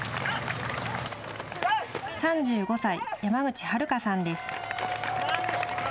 ３５歳、山口遥さんです。